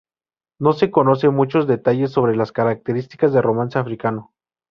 No se conocen muchos detalles sobre las características de romance africano.